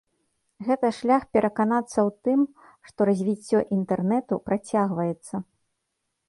Гэта шлях пераканацца ў тым, што развіццё інтэрнэту працягваецца.